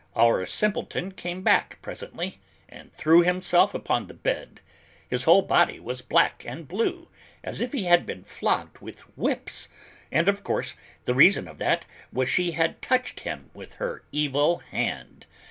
Our simpleton came back presently, and threw himself upon the bed. His whole body was black and blue, as if he had been flogged with whips, and of course the reason of that was she had touched him with her evil hand!